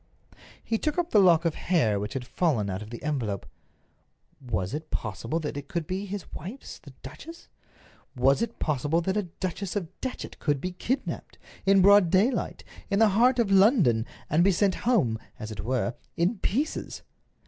He took up the lock of hair which had fallen out of the envelope. Was it possible that it could be his wife's, the duchess? Was it possible that a Duchess of Datchet could be kidnaped, in broad daylight, in the heart of London, and be sent home, as it were, in pieces?